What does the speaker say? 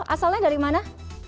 asalnya dari mana